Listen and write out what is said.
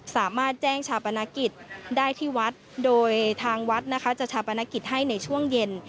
สามารถแจ้งชาปนกิจได้ที่วัดโดยทางวัดนะคะจะชาปนกิจให้ในช่วงเย็น